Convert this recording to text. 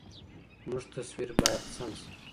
زموږ تصوير بايد سم شي.